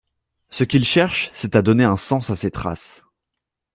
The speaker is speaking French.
Ce qu’il cherche, c’est à donner un sens à ces traces.